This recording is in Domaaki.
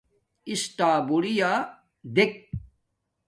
اِسٹݳبرِیݳ دݵک.